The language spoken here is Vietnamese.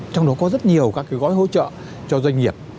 trong đó có rất nhiều các gói hỗ trợ cho doanh nghiệp